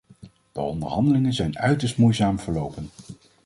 De onderhandelingen zijn uiterst moeizaam verlopen.